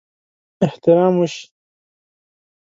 احترام وشي.